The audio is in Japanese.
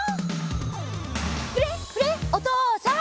「フレッフレッおとうさん！」